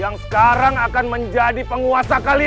yang sekarang akan menjadi penguasa